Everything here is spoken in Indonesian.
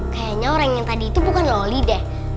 kayaknya orang yang tadi itu bukan loli deh